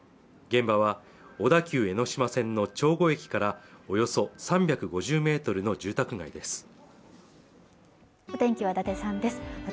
現場は小田急江ノ島線の長後駅からおよそ３５０メートルの住宅街です